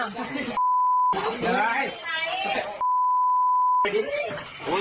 คลิปให้ร่วม